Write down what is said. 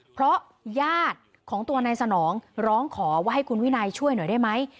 เพราะญาติของตัวนายสนองร้องขอว่าให้คุณวินัยช่วยหน่อยได้ไหม